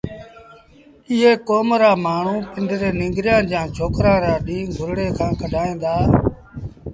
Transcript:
ايئي ڪوم رآ مآڻهوٚٚݩ پنڊري ننگريآݩ جآݩ ڇوڪرآݩ رآ ڏيݩهݩ گُرڙي کآݩ ڪڍائيٚݩ دآ